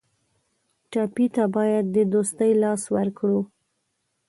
ټپي ته باید د دوستۍ لاس ورکړو.